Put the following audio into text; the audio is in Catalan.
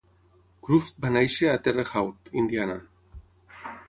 Cruft va néixer a Terre Haute, Indiana.